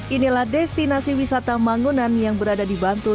inilah destinasi wisata mangunan yang berada di bantul